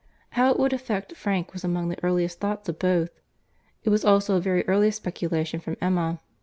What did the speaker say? How it would affect Frank was among the earliest thoughts of both. It was also a very early speculation with Emma.